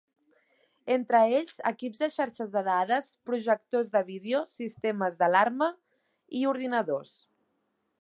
Entre ells, equips de xarxes de dades, projectors de vídeo, sistemes d'alarma i ordinadors.